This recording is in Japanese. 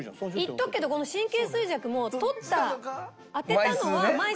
言っとくけどこの神経衰弱も取った当てたのは枚数は私